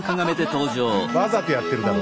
わざとやってるだろ。